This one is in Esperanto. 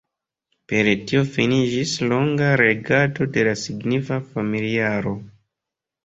Per tio finiĝis longa regado de la signifa familiaro.